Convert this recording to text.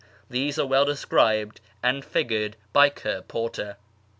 These are well described and figured by Ker Porter.